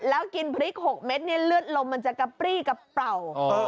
แล้วกินพริก๖เม็ดเนี่ยเลือดลมมันจะกระปรี้กระเป๋า